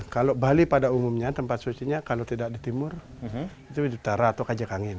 kalau bali pada umumnya tempat sucinya kalau tidak di timur itu di utara atau kajak angin